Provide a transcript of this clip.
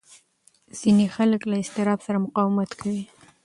ځینې خلک له اضطراب سره مقاومت کوي.